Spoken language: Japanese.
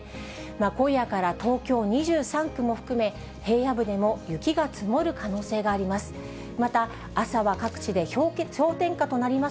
今夜から東京２３区も含め、平野部でも雪が積もる可能性があります。